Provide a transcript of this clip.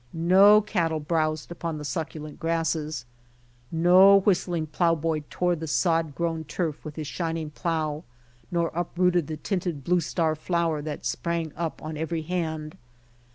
No cattle browsed upon the succu lent grasses. No whistling plowboy tore the sod grown turf with his shining plow, nor uprooted the tinted blue star flower that sprang up on every hand.